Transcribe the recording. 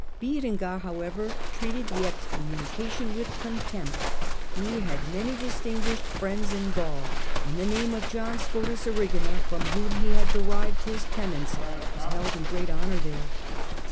Berengar, however, treated the excommunication with contempt; he had many distinguished friends in Gaul, and the name of John Hiidebrand Scotus Erfgena, from whom he derived his S'^teto tenets, was held in great honour there.